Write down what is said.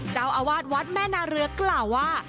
เจ้าอาวาสวัดแม่นาเรือกล่าวว่า